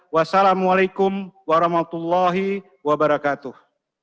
wassalamualaikum warahmatullahi wabarakatuh